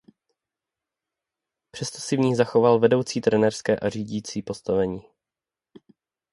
Přesto si v ní zachoval vedoucí trenérské a řídící postavení.